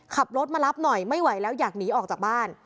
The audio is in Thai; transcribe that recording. ขับรถมารับหน่อยไม่ไหวแล้วอยากหนีออกจากบ้าน